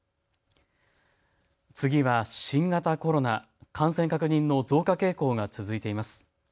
次は新型コロナ、感染確認の増加傾向が続いています。